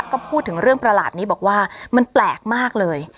ก็พูดถึงเรื่องประหลาดนี้บอกว่ามันแปลกมากเลย